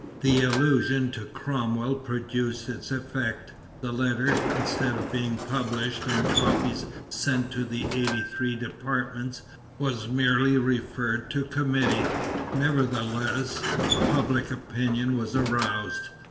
The allusion to Cromwell produced its effect. The letter, instead of being published and copies sent to the eighty three departments, was merely referred to a committee. Nevertheless, public opinion was aroused.